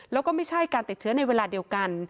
แล้วก็ไม่ใช่การติดเชื้อในเวลาเดียวกัน